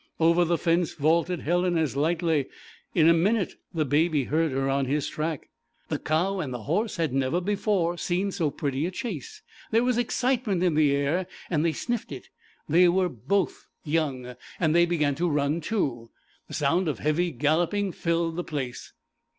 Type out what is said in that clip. Over the fence vaulted Helen as lightly: in a minute the Baby heard her on his track. The cow and the horse had never before seen so pretty a chase. There was excitement in the air and they sniffed it; they were both young and they began to run too. The sound of heavy galloping filled the place.